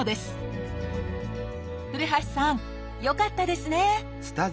古橋さんよかったですね！